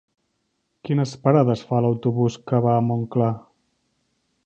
Quines parades fa l'autobús que va a Montclar?